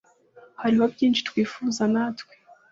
hariho byinshi twifuza natwe